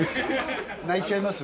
泣いちゃいます？